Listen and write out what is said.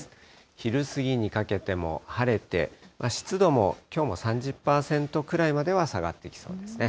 昼過ぎにかけても晴れて、湿度もきょうも３０％くらいまでは下がってきそうですね。